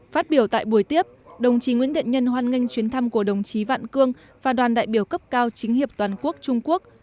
phát biểu tại buổi tiếp đồng chí nguyễn điện hoan nghênh chuyến thăm của đồng chí vạn cương và đoàn đại biểu cấp cao chính hiệp toàn quốc trung quốc